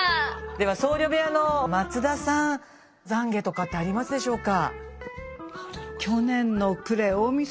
では僧侶部屋の松田さん懺悔とかってありますでしょうか？